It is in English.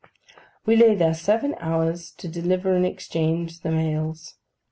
We lay there seven hours, to deliver and exchange the mails.